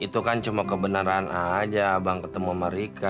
ya itu kan cuma kebeneran aja abang ketemu sama rika la